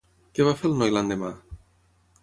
Què va fer el noi l'endemà?